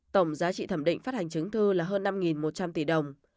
tổng giá trị thẩm định phát hành chứng thư là hơn năm một trăm linh tỷ đồng